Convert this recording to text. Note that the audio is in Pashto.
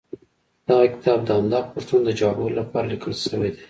دغه کتاب د همدغو پوښتنو د ځوابولو لپاره ليکل شوی دی.